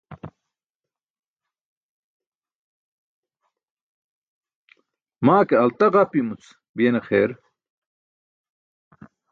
Maa ke alta ġapimuc biyena xeer.